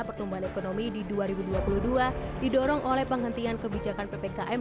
pertumbuhan ekonomi di dua ribu dua puluh dua didorong oleh penghentian kebijakan ppkm